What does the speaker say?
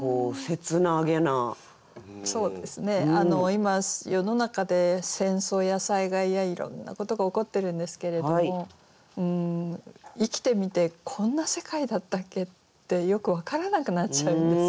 今世の中で戦争や災害やいろんなことが起こってるんですけれども生きてみてこんな世界だったっけ？ってよく分からなくなっちゃうんですよね。